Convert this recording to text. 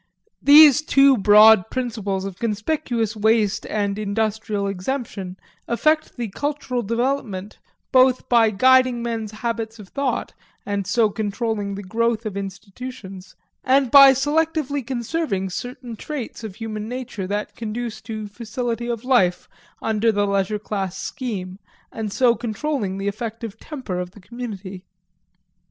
These two broad principles of conspicuous waste and industrial exemption affect the cultural development both by guiding men's habits of thought, and so controlling the growth of institutions, and by selectively conserving certain traits of human nature that conduce to facility of life under the leisure class scheme, and so controlling the effective temper of the community.